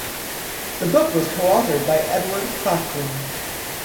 The book was coauthored by Edward Claflin.